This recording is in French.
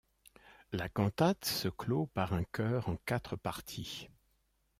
La cantate se clôt par un chœur en quatre parties.